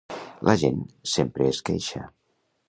La gent sempre es queixa